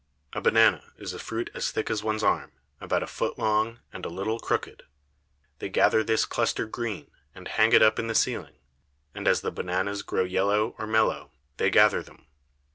A Banane is a Fruit as thick as one's Arm, about a Foot long, and a little crooked. They gather this Cluster green, and hang it up in the Ceiling; and as the Bananes grow yellow, or mellow, they gather them.